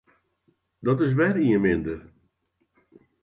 Dat is wer ien minder.